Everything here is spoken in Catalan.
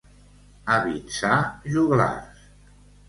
A Vinçà, joglars.